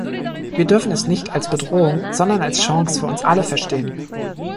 Wir dürfen es nicht als Bedrohung, sondern als Chance für uns alle verstehen.